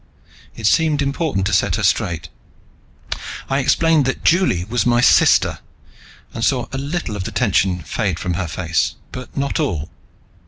It seemed important to set her straight. I explained that Juli was my sister, and saw a little of the tension fade from her face, but not all.